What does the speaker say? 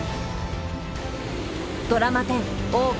ドラマ１０「大奥」